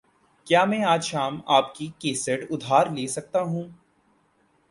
کیا میں آج شام آپکی کیسٹ ادھار لے سکتا ہوں؟